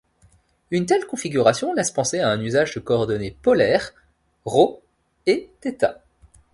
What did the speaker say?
Une telle configuration laisse penser à un usage de coordonnées polaires ρ et θ.